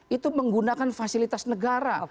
itu menggunakan fasilitas negara